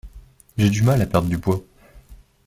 J'ai du mal à perdre du poids.